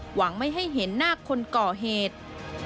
หวังไม่ให้เห็นหน้าคนก่อเหตุ